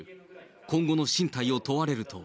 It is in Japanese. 今後の進退を問われると。